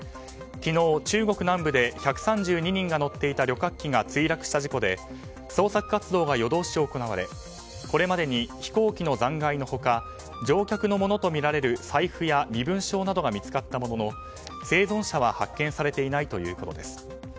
昨日、中国南部で１３２人が乗っていた旅客機が墜落した事故で捜索活動が夜通し行われこれまでに飛行機の残骸の他乗客のものとみられる財布や身分証などが見つかったものの生存者は発見されていないということです。